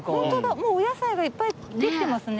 もうお野菜がいっぱいできてますね。